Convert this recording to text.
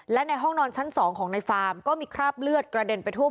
และในห้องนอนชั้น๒ของในฟาร์มก็มีคราบเลือดกระเด็นไปทั่ว